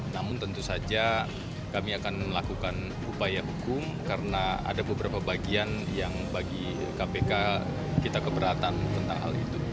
namun tentu saja kami akan melakukan upaya hukum karena ada beberapa bagian yang bagi kpk kita keberatan tentang hal itu